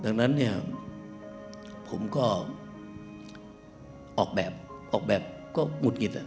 ดังนั้นเนี่ยผมก็ออกแบบออกแบบก็หงุดหงิด